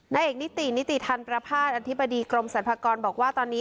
เอกนิตินิติธรรมประพาทอธิบดีกรมสรรพากรบอกว่าตอนนี้